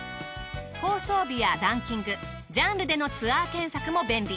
放送日やランキングジャンルでのツアー検索も便利。